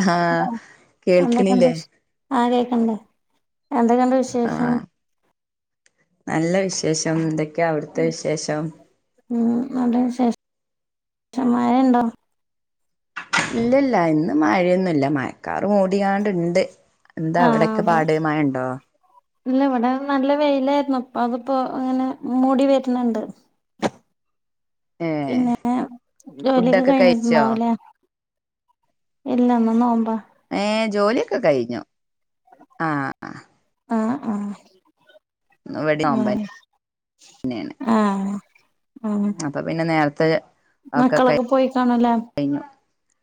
ആഹ് ന്തൊക്കെ കേൾക്കണില്ലേ ആ [inaudible] എന്തൊക്കെയണ്ട് വിശേഷം? ആഹ് നല്ല വിശേഷം എന്തൊക്കെയാ അവിടുത്തെ വിശേഷം? മഴ ഉണ്ടോ? ഇല്ലല്ല ഇന്ന് മഴയൊന്നുംല്ല മാ കാറ് മൂടിയാണ്ടിണ്ട് എന്താ ആഹ് അവിടെയൊക്കെ അതെ പാടമായ ണ്ടോ? ഇല്ല ഇവിടെ നല്ല വെയിലായിരുന്നുപ്പ അതിപ്പോ ഇങ്ങനെ മൂടി വരണണ്ട്, ഏഹ് പിന്നെ ജോലിയൊക്കെ ഫുഡൊക്കെ കഴിച്ചോ കഴിഞ്ഞിട്ടുണ്ടാവലേ, ഇല്ലന്ന് നോമ്പാണ്. ഏ ജോലിയൊക്കെ കഴിഞ്ഞു ആഹ... ആ ആഹ് ആഹ ഇവിടേം ആഹ ആഹ.. ഉ അപ്പ പിന്നെ നേരത്തെ, ഒക്കെ ക മക്കളൊക്കെ പോയി കാണൂല്ലേ കഴിഞ്ഞു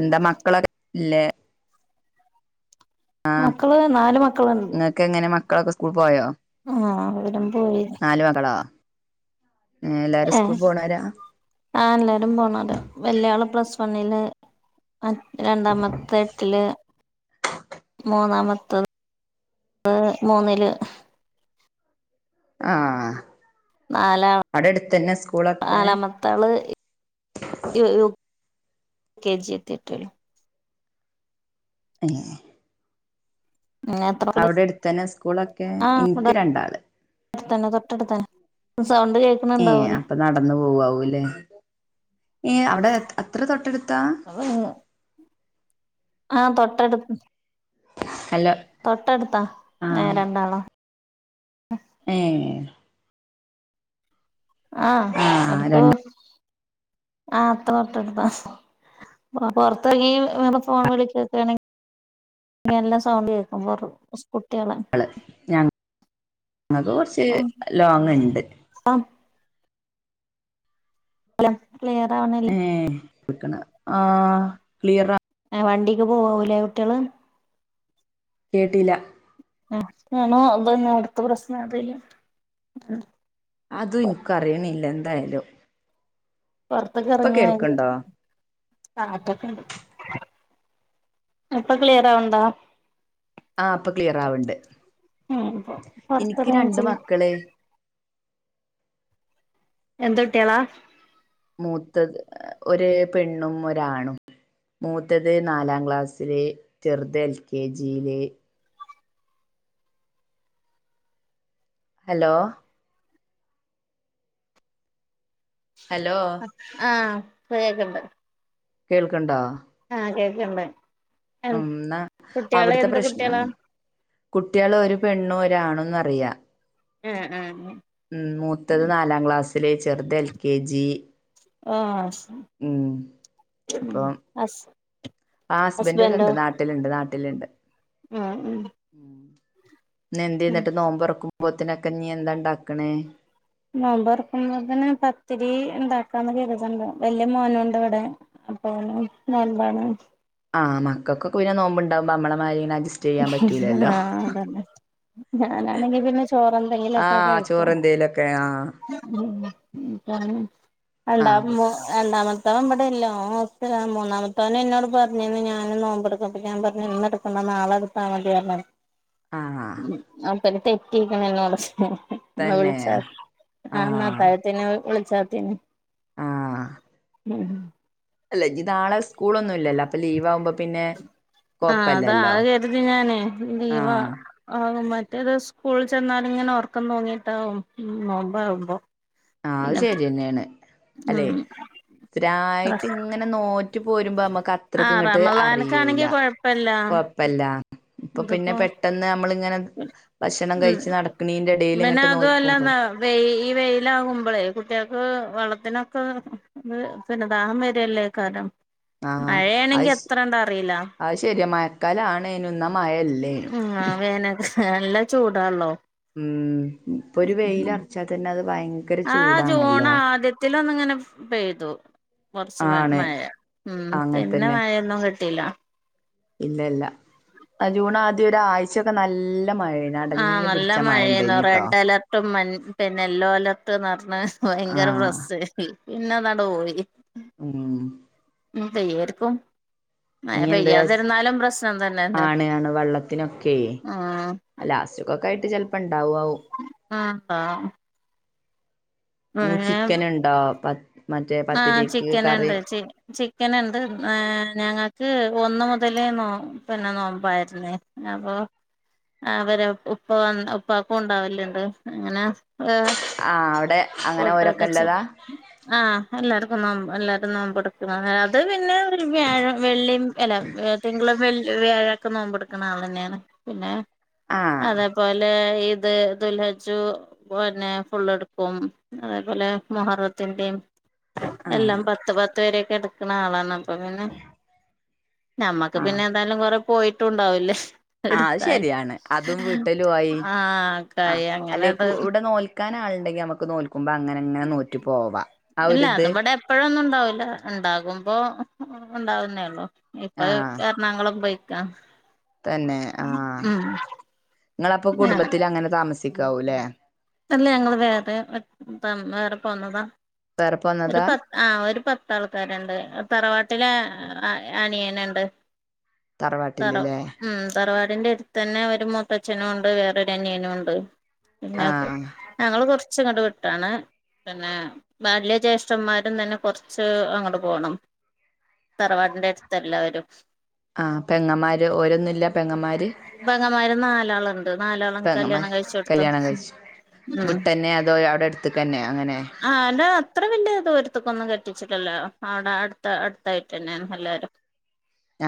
എന്താ മക്കളൊല്ലേ ആഹ മക്കള് നാല് നിങ്ങക്ക് എങ്ങനെ മക്കളൊക്കെ സ്കൂൾ പോയോ ആഹ ഇവിട പോയി നാല് മക്കളോ ഏഹ് എല്ലാരും ഏ സ്കൂൾ പോണോരാ ആ എല്ലാരും പോണല്ല വല്ലയാള പ്ലീസ് പന്നില് രണ്ടാമത്തെ എട്ടില് മൂന്നാമത്തെ പ മൂന്നില്. ആഹ [unintelligible] നാലാ സ്കൂളൊക്കെ നാലാമത്താള് കെ ജി എത്തിട്ടുള് പി [unintelligible] പിന്നെ എത്ര അവിടെ അടുത്തന്നെ സ്കൂളൊക്കെ എനിക്ക് രണ്ടാള് തൊട്ടടുത്ത ഏ അപ്പൊ നടന്നു പോവാവൂല്ലേ ഏ അവിടെ എത്ര തൊട്ടെടുത്താ ആഹ തൊട്ടടുപ്പ ഹലോ തൊട്ടടുത്താ രണ്ടാളോ ഉഹ ആ ആഹ എടുക്ക രണ്ട ആഹ അത്ത തൊട്ട എടുത്ത പൊറത്തകീ വേറെ ഫോൺ വിളിച്ചക്കയാണെങ്കിൽ ഇങ്ങന എല്ലാം സൗണ്ട് കേൾക്കുമ്പോ ഞ ഞങ്ങക്ക് കുറച്ച് ലോങ്ുണ്ട് അ ക്ലിയർ ആവണല്ലേ ഏ ആ ക്ലിയറാ, വണ്ടിക്ക് പോവൂലേ കുട്ടികള് കേട്ടില ആ ആണോ അതന്നെ അടുത്തെ പ്രശനം അതല്ല അതും എനിക്ക അറിയണില്ല എന്തായാലും പുറത്തൊക്കെ ഇപ്പൊ ഇറങ്ങിയ കേൾക്കണ്ടോ ആക്ക എപ്പൊ ക്ലിയറ ആവണ്ടോ ആ ഇപ്പൊ ക്ലിയർ ആവണ്ട് ഉ പുറത്ത എനിക്ക് രണ്ട് റേഞ്ചില് മക്കള് എന്ത വിട്ടിയള മൂത്തത് ഒ പെണ്ണും ഒരാണും മൂത്തത് നാലാം ക്ലാസ്സിലെ ചെറുത് എൽ കെ ജിയിലെ ഹലോ ഹലോ ആഹ സയാക്കണ്ട് കേൾക്കണ്ടാ ആഹ കേക്കമ്പ ഉന്നാ അവിടത്തെ പ്രശ്നം കുട്ടികളാ കുട്ടികൾ ഒരു പെണ്ണും ഒരാണോന്ന് അറ പ്രിയ ഉം ഉം ഉ ഉ മൂത്തത് നാലാം ക്ലാസ്സിലെ ചെറുത എൽ കെ ജി ഹ ഉം അപ്പം ഹസ് ആ ഹസ്ബൻഡ ഹസ്ബൻഡോ ഇവിടെണ്ട് നാട്ടിലുണ്ട് നാട്ടിലുണ്ട് ഉം ഉം ഉം ന എന്തു ഉം ചെയന്നിട്ട് നോമ്പൊറക്കുമ്പോത്തിനൊക്കെ നീ എന്താ ഉണ്ടാക്കണേ മോമ്പ്റക്കുമ്പോ തന്നെ പത്തിരി ഇണ്ടാക്കാന്ന് കരുതണ്ട് വല്ിയ മോനുണ്ട് ഇവിടെ അപ്പ നമ്പാണ് ആ മക്കെ പിെ നോമ്പോുണ്ടാവുമ്പോമ്മമാരി ആഹ അതന്നെ ഞാനാണെങ്കി പിന്നെ ചോറെ എന്തെങ്കിലുംൊക്കെ ആഹ് കഴിക്കും ചോറെന്തേലൊക്കെ ആഹ് ഉ രണ്ടാ ആഹ് രണ്ടാമത്തെ ഇല്ലോ മൂന്നാമത്തെ അവ എന്നോട് പറഞ്ഞന്ന് ഞാനും നോമ്പെടുക്കും അ ഞാൻ പറഞ്ഞു ഇന്നെടുക്കണ്ട നളെടു ാ മതി ആഹ് അപ്പൊ തെറ്റിക്കണ എന്നോ തന്നെ ഉളിച്ച ആഹ നാ താഴത്തന ഉളിച്ചാത്തന ആഹ ഉം അല്ല ഇത്ാളെ സ്കൂളൊന്നും ഇല്ല അൊ ലീവ്വുമ്പ ആ അതാത് കരുതി ഞാന് ലീവ ആഹ് ആകുമറ്റ മറ്റേത് സ്കൂളിൽ ചെന്നാല ഇങ്ങനെ ഉർക്കം തോങ്ങിട്ടാും നോമ്പ ആാവുമ്പോ ആ അത് ശരി തന്നെയാണ് അല്ലെ ഉം ഇായിട്ട് ഇങ്ങനെ നോ മ പോരുമ്പോ നമ്മക്ക് അത്രക്ക് ആഹ് ഇങ്ങോട്ട് അറിയൂല റമളാൻക്കാണെങ്കി കൊഴപ്പല്ല കൊഴപ്പല്ല ഇപ്പൊ പിന്നെ ഇതിപ്പോ പെട്ടെന്ന് നമ്മളിങ്ങനെ ഭക്ഷണം ഉം കഴിച്ച് നടക്കണീന്റെ എടേല് പിെ ഇങ്ങട്ട് അത അല്ല നോൽക്കുമ്പള് വഈ വെയില കുമ്പളേ കുട്ടികൾക്ക് വെള്ളത്തിനൊക്കെ പിനദാഹം വരില്ലേ കാരണം ആഹ അത് അത് ശെരിയ മയക്കാല ആാണ്േനന്ന ആ വേനക്ക നല്ല ചൂടാള്ളോ ഉ ഇപ്പൊ ഒരു വെയിലറച്ചാൽ തന്നെ അത് ഭയങ്കര ആഹ ജൂൺ ചൂടാണല്ലോ ആദ്യത്തി ഒന്നിങ്ങനെ പെയ്തു കുറച്ച് ആണ് മഴ ഉം പിന്നെ അങ്ങൻത്തന്നെ മഴൊന്നും കിട്ടില്ല ഇല്ല ഇല്ല ജൂണ ആദ്യ ഒ ആഴ്ചൊക്കെ നല്ല മഴേനു ആഹ അടഞ്ഞു നല്ല പിടിച്ച മഴ മഴയന്ന ഇണ്ടേനിട്ടോ റെഡ് അലർട്ടും പിന്നെ യെല്ലോ അലർട്ട്ന്ന്ഞ്ഞ ഭയങ്കര ആഹ് പ്ര്രസ് പിന്നെ എന്താ പോയി ആ ഇന്തർക്കും അ എന്ത് പയ്യാതിരുന്നാലും പ്രശ്നം തന്നെന്ന ആണ് ഉ ലാസ്റ്റക്കൊക്കെ ആയിട്ട് ചെിലപ്പോ ഇണ്ടാവും ആഹ ഇനി ചിക്കൻ ഉണ്ടോ പ മറ്റേ ആഹ പത്തിരിക്ക് ചിക്കൻ കറി ഉണ്ട് നുണ്ട് ഞങ്ങൾക്ക് ഒന്ന് മുതലേോ പിന്നെ നോമ്പായിരുന്നേ അപ്പൊ ആ അവരെ ഉപ്പ വ ഉപ്പക്കും ഉണ്ടാവലുണ്ട് അങ്ങനെ ഏഹ് ആ് അവിടെ അങ്ങനെ ഓരൊക്കെ ഇള്ളതാ [unintelligible] ആഹ് എല്ലാര്ക്കും നോമ്പ എല്ലാരും നോമ്പ്എട്ക്കും അത് പിന്നെ ഒര് വ്യാഴം വെള്ളിമ് അല്ല തിങ്കളും വെ വ്യാഴം ക്കെ നോമ്പ് എട്ക്ക്ണെ ആളെന്നേണ് പിന്നെ ആഹ് അതേ പോലെ ഈ ത് ദുൽഹജ്ജു പിന്നെ ഫുള്ള് എട്ക്കും അതേപോലെ മുഹറത്തിന്റീം ആഹ് എല്ലം പത്ത് പത്ത് വരെക്കെ എട്ക്കണ ആളാണ് അപ്പ പിന്നെ ഞമ്മക്ക് ആഹ് പിന്നെ എതായാലും കൊറെ പോയിട്ടുണ്ടാവില്ലേ ആഹ് അത് ശെരിയാണ് അതും വീട്ടലു ആയി ആഹ് ആഹ് കായി അല്ലെ അങ്ങനെണ്ട് കൂടെ നോൽ ക്കാനാള്ണ്ടങ്കി നമ്മക്ക് നോൽ അല്ല അത് ഒരിത് വടെ എപ്പഴൊന്നുണ്ടാവൂല ണ്ടാകുമ്പോ ഉണ്ടാവുന്നേള്ളു ഇപ്പത് ആഹ് എറണാകൊളം പോയ്ക്കാ. തന്നെ ആഹ് ങ്ങളപ്പൊ കുട്ബത്തിലങ്ങനെ താമസിക്കാവൂലേ. അല്ല ഞങ്ങള് വേറെ തമ് വേറെ പോന്നതാ വേറെപ്പ ഒര് വന്നതാ പത്ത് ആഹ് ഒര് പത്താൾക്കാര്ണ്ട് തറവാ ട്ടില അനിയന്ണ്ട് തറ തറവാട്ടില്ല്ലേ മ് തറവാടിന്റെര് തന്നെ ഒര് മൂത്തച്ഛനൂണ്ട് വേറൊര് അനിയനൂണ്ട്. പിന്നെ ആഹ് ഞങ്ങള് കൊർച്ച്ങ്ങട്ട് വിട്ടാണ്. പിന്നെ ബാല്ല്യേ ജ്യേഷ്ഠന്മാരും തന്നെ കൊർച്ച് അങ്ങട്ട് പോണം. തറവാടിന്റെ എട്ത്തല്ലവരും. ആഹ് പെങ്ങന്മാര് ഓരൊന്നുല്ല പെങ്ങന്മാര് പെങ്ങമാര് നാലാള്ണ്ട്. നാലാളും കല്യാണം പെങ്ങന്മാര് കഴിച്ചോട്ത്താ. കല്യാണം കഴിച്ചു മ് വിട്ടന്നെ അതോ അവിടെ അടുത്തക്കന്നെ അങ്ങനെ ആഹ് അത്ര വല്ല്യേ [unintelligible] ക്കൊന്നും കട്ടിച്ച്ട്ടില്ല. അവടെ അടുത്ത അടുത്തായിട്ടെന്നേണ് എല്ലാരും.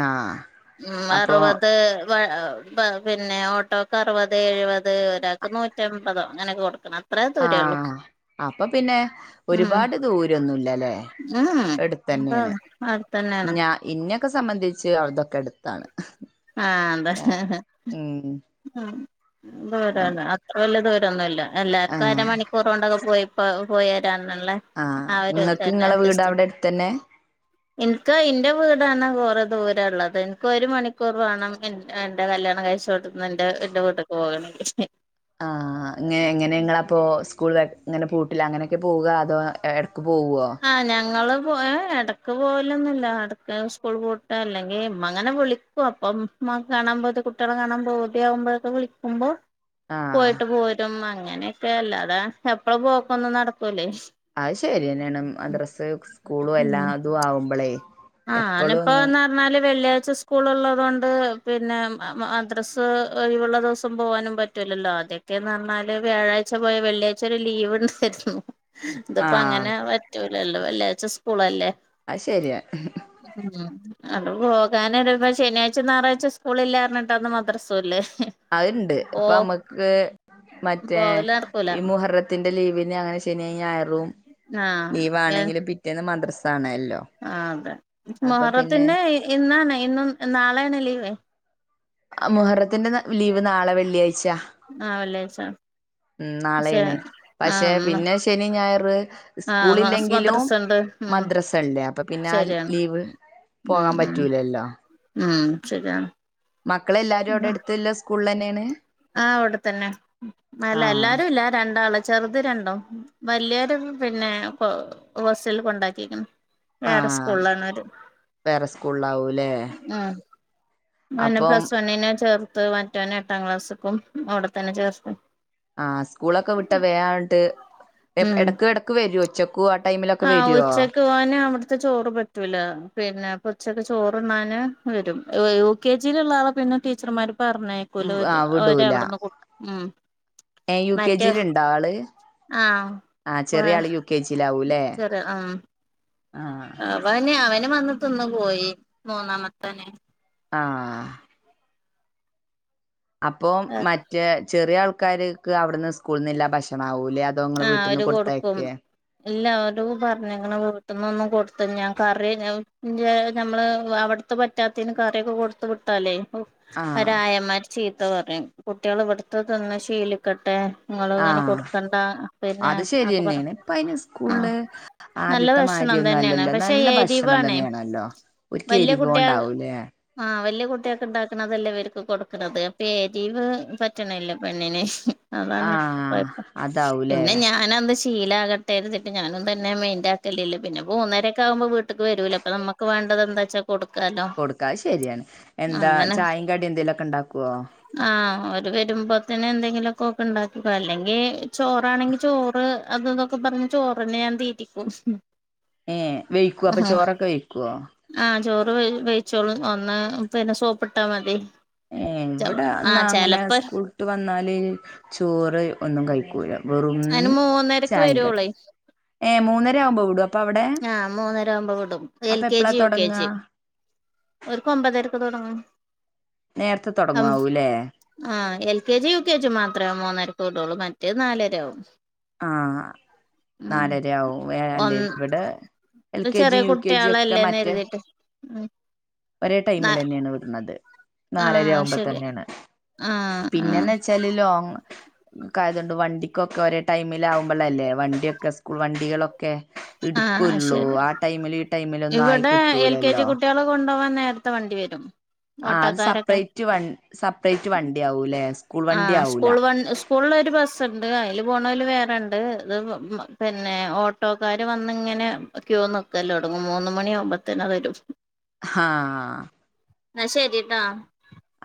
ആഹ് മ് അറ് അപ്പൊ വത് വ പിന്നെ ഓട്ടോക്ക് അറ് വത്, എയ് വത് ഒരാക്ക് നൂറ്റമ്പതോ അങ്ങനെക്കെ കൊട്ക്കണം. ആഹ് അപ്പ പിന്നെ ഉം ഒര്പാട് ദൂരൊന്നുല്ലലേ. ഉം എട്ത്തന്നേണ് അതാണ് അടുത്തന്നെയാണ് ഞ ഇന്നെക്കെ സംബന്ധിച്ച് അതൊക്കെ എട്ത്താണ്. ആഹ് ന്താച്ചാ ദൂരോല്ല അത്ര വല്ല്യേ ദൂരോ ന്നൊല്ല എല്ലാര്ക്കും ആഹ് അരമണിക്കൂറോണ്ടൊക്കെ പോയിപ്പോ പോരാ രാന്ള്ളേ ആഹ് ആ ഒര് ഇങ്ങക്ക് തന്നെ ഇങ്ങളെ വീട് ജെസ്റ്റ് അവിടെ അടുത്തന്നെ ഇൻക്ക് ഇന്റെ വീടാണ് കൊറേ ദൂരള്ളത്. ഇൻക്ക് ഒര് മ ണിക്കൂർ വാണം എന്റെ കല്യാണം കായ്ച്ചോട്ത്ത്ന്ന് ന്റെ ന്റെ വ്ട്ട്ക്ക് പോകണങ്കി. ആഹ് ങ്ങെ എങ്ങനെ ങ്ങളപ്പൊ സ്കൂളങ്ങനെ പൂട്ടില്ലേ അങ്ങനെക്കെ പോകാ അതോ എട് ആഹ് ഞങ്ങളും ഏ എ ഇടയ്ക്ക് പോവലൊന്നുല്ല. ഇടക്ക് സ്കൂൾ പൂട്ട് അല്ലെങ്കി ഇമ്മങ്ങനെ വിളിക്കും അപ്പം ഇമ്മാക്ക് കാണാം പൂതി കുട്ട്യാളെ കാണാം പൂതി ആവുമ്പള്ളൊക്കെ വിലിക്കുമ്പോ ആഹ് പോയിട്ട് പോരും. അങ്ങനെക്കെ അല്ലാതെ എപ്പളും പോക്കൊന്നും നടക്കൂലേ മദറ, സ്സ് സ്കൂള് എല്ലാതും ആവുമ്പളേ ആഹ് ന് എപ്പളും ഒന്നും ഇപ്പോന്ന് പറഞ്ഞാല് വെള്ളി സ്കൂള് ള്ളതോണ്ട് പിന്നെ മദ്രസ്സ് ഒയ് വ്ള്ള ദിവസം പോകാനും പറ്റുല്ലല്ലോ അതൊക്കേന്ന് പറഞ്ഞാല് വ്യാഴാഴ്ച പോയ വെള്ളിയാഴ്ച ഒരര് ലീവ്ണ്ടാര്ന്നു. ത്പ്പോ ആഹ് അങ്ങനെ പറ്റൂലല്ലോ. വെള്ളിയാഴ്ച്ച സ്കൂളല്ലേ അയ്ശെരി മ് അത് പോകാന് ഇപ്പ ശനിയാഴ്ച, ഞായറാഴ്ച സ്കൂള് ല്ലാന്ന്പർഞ്ഞിട്ടന്ന് മദ്രസ്വല്ലേ. അ'ണ്ട് ഇപ്പ നമ്മക്ക് മറ്റേ പോവല് നടക്കൂല ഈ മുഹറത്തിന്റെ ലീവ് അങ്ങനെ ശനി, ഞായറും ആഹ് എ ലീവാണെങ്കിലും പിറ്റേന്ന് മദ്റസാണല്ലേ ആഹ് അതെ മുഹറത്തിന്റെ ഇന്നാണ് ഇന്നും നാളേണ് ലീവേ മുഹറത്തിന്റെ ലീവ് നാളെ വെള്ളി ആഹ് വെള്ള്യയ്ച്ച മ് നാളേണ് പക്ഷെ പിന്നെ ശനി ഞായറ് ആഹ് മാസ് സ്കൂളില്ലെങ്കിലും മദ്രസണ്ട് ഉം മദ്രസല്ലേ അപ്പൊ പിന്നെ ആ ശരിയാണ് ലീവ് ഉം പോകാൻ ഉം പറ്റൂലല്ലോ ഉം ശരിയാണ് മക്കളെല്ലാരും അവിടട്ത്ത്ല്ല സ്കൂളില് തെന്നാണാ ആ അവടെത്തന്നെ അല്ല ആഹ് എല്ലാരും ഇല്ല രണ്ടാള് ചെറുത് രണ്ടോ വല്ല്യൊരു പിന്നെ ഹോ ഹോസ്റ്റൽ ല് കൊണ്ടാക്കിക്കണ് വേറെ ആഹ് സ്കൂളിലാണ് അവര് വേറെ സ്കൂളിലാവൂല്ലേ ഉം മോനെ അപ്പം പ്ലസ് വണ്ണിന് ചേർത്ത് മറ്റവ ഏട്ടാം ക്ലാസ്സ്ക്കും അവിടെത്തന്നെ ചേർത്തു ആ സ്കൂളൊക്കെ വിട്ട വേങ്ങോട്ട് എടക്ക് എടക്ക് എടക്ക് വരും ഉച്ചക്ക് ആ ഉച്ചയ്ക്ക് ഓന് അവിടത്തെ ചോറ് പറ്റൂല പിന്നെ പൊ ഉച്ചക്ക് ചോറ്ണ്ണാന് വരും യു കെ ജി ഹ് ഉള്ള ആളെ പിന്നെ ടീച്ചർമാര് പറഞ്ഞയക്കൂല ആ ഒരു അവര് വിടൂല അവിടന്ന് കൊടുക്കും ഉം ഏ യു കെ മറ്റേ ജില് ഇണ്ട ആള് ആഹ് ആ ചെറിയ ആള് യു കെ ജിലാവൂല്ലേ ചെറിയ ആ ഉം അവൻ അവന് വന്ന് ത്തിന്ന്‌ പോയി മൂന്നാമത്തോനെ ആ അപ്പൊ മറ്റേ ചെറിയ ആൾക്കാര്ക്ക് അവിടന്ന് സ്കൂളിന്നില്ല ഭക്ഷണാവും ആ ഓര് കൊടുക്കും ഇല്ല പറഞ്ഞെക്ക്ണ്‌ ന്നൊന്നും കൊടുത്ത് ഞാൻ കറി ഞാൻ ഞ നമ്മള് അവിടത്തെ പറ്റാത്തേന് കറിയൊക്കെ കൊടുത്ത് വിട്ടാലേ ആഹ് അവരായമാര് ചീത്ത പറയും കുട്ട്യോള് ഇവിടത്തെ തിന്ന് ശീലിക്കട്ടെ ഇങ്ങള് ഇങ്ങനെ ആഹ് കൊടുക്കണ്ട പിന്നെ അത് ഒക്കെ പറ ശരിയന്നാണ് ഇപ്പ അയ്ന് ആഹ് സ്കൂൾല് നല്ല ആദ്യത്തെ ഭക്ഷണം മാര്യൊന്നും തന്നെയാണ് അല്ലല്ലോ നല്ല ഭക്ഷണം ക്ഷണം തന്നാണല്ലോ വെല്യാ കുട്ട്യാൾ ആ വെല്യാ കുട്ട്യോക്ക് ഇണ്ടാക്കണതൽ ല്ലാവര്ക്കും കൊടുക്കണത് അപ്പൊ എരീവ് പറ്റണില്ല പെണ്ണിന് അതാണ്‌പ്പ ആഹ് കൊയപ്പം അതാവൂലേ ത് ശീലാകട്ടെന്നുച്ച്ട്ട് ഞാനും തന്നെ മൈന്റാക്കലില്ല പിന്നെ മൂന്നരൊക്കെ ആകുമ്പോ വീട്ട്ക്ക് വരൂലോ അപ്പോ നമ്മക്ക് വാണ്ടതെന്താച്ചാ കൊടുക്കാത് ശരിയാണ് എന്താ ചായയും കട്യൊന്തേലൊക്കെ ഇണ്ടാക്കോ ആ ഓര് വരുമ്പോത്തനെ എന്തെങ്കിലൊക്കെ അല്ലെങ്കിൽ ചോറാണെങ്കി ചോറ് അത് തൊക്കെ പറഞ്ഞ് ചോറന്നെ ഞാൻ തീറ്റിക്കും ഏ വൈകോ അപ്പൊ ചോറൊക്കെ വേ വേവിച്ചോളും ഒന്ന് പിന്നെ സോപ്പിട്ടാ മതി ഏ ഇവിടെ എന്നാ ആഹ് അങ്ങനെ ചെലപ്പോ സ്കൂള്ട്ട് വന്നാല് ചോറ് ഒന്നും കഴികും അയിന് മൂന്നരക്ക്‌ കടിം വരോളെ ഏ മൂന്നര ആവുമ്പോ വിടും അപ്പൊ അവിടെ ആ മൂന്നര ആവുമ്പോ വിടും എൽ അപ്പൊ കെ എപ്പളാ ജി യു കെ തൊടങ്ങാ ജി ഓര്ക്ക്‌ ഒൻമ്പതരക്ക് തുടങ്ങും നേരത്തെ തൊടങ്ങാവൂല്ലേ ആഹ് L K G U K G മാത്രേ മൂന്നരക്ക് വിടുള്ളൂ മറ്റേത് നാലരാവും ആ നാലരാവും ഏ ഒന്ന് അല്ലിവടെ ചെറിയ കുട്ട്യോളല്ലെന്നു കരുതീട്ട് ഒരേ ടൈമിലന്നാണ് വിടണത് ആഹ് നാലരാവുമ്പോ ശരി തന്നാണ് ആഹ് ആഹ് പിന്നെന്ന്ച്ചാല് ലോങ്ങ് തായതോണ്ട് വണ്ടിക്കൊക്കെ ഒരേ ടൈമില് ആകുമ്പോഴല്ലേ വണ്ടിയൊക്കെ സ്കൂൾ വണ്ടികളൊക്കെ ക്കെ ആഹ് എടുക്കുള്ളൂ ശരി ആ ടൈമില് ഈ ടൈമിലൊന്നും ആയി കിട്ടൂലല്ലോ ണ്ടവാൻ നേരത്തെ വണ്ടി വരും ആ അത് ഓട്ടോക്കാരൊക്കെ സപ്പറേറ്റ് വൻ സപ്പറേറ്റ് വണ്ടി ആവുലേ ആ സ്കൂൾവൻ സ്കൂൾനൊരു ബസ്ണ്ട് അയില് പോണെല് വേറെണ്ട് ഇത് പിന്നെ ഓട്ടോക്കാര് വന്നിങ്ങനെ ക്യൂ നിക്കല്ലോ ടങ്ങും മൂന്ന് മണിയാവുയാ കുമ്പോത്തേനാ വരും ഹ എന്ന ശരിട്ടാ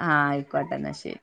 ആഹ് ആയിക്കോട്ട എന്നാ ശരി